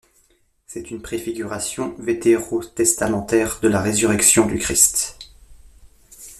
C'est une préfiguration vétérotestamentaire de la résurrection du Christ.